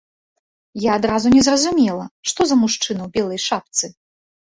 Я адразу не зразумела, што за мужчына ў белай шапцы.